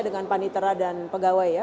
dengan panitera dan pegawai ya